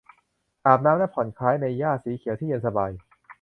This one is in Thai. อาบน้ำและผ่อนคล้ายในหญ้าสีเขียวที่เย็นสบาย